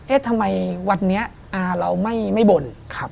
เอ๊ะทำไมวันนี้เราไม่บ่น